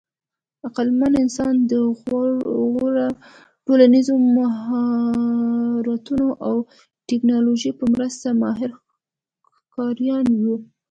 عقلمن انسان د غوره ټولنیزو مهارتونو او ټېکنالوژۍ په مرسته ماهر ښکاریان وو.